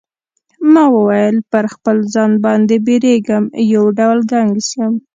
ما وویل پر خپل ځان باندی بیریږم یو ډول ګنګس یم.